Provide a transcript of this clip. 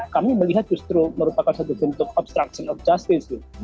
kami melihat justru merupakan satu bentuk obstruction of justice